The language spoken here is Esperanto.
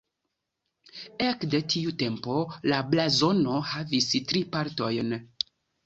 Ekde tiu tempo la blazono havis tri partojn.